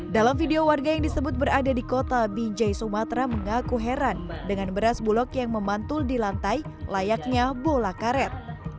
dalam video warga yang disebut berada di kota binjai sumatera mengaku heran dengan beras bulog yang memantul di lantai layaknya bola karet